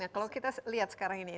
kalau kita lihat sekarang ini